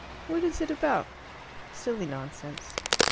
"What is it about?" "Silly nonsense."